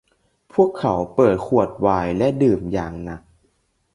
พวกเขาเปิดขวดไวน์และดื่มอย่างหนัก